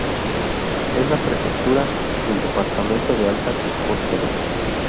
Es la prefectura del departamento de Alta Córcega.